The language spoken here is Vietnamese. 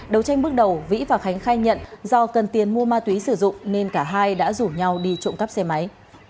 đấu tranh bước đầu vĩ và khánh khai nhận do cần tiền mua ma túy sử dụng nên cả hai đã rủ nhau đi trộm cắp xe máy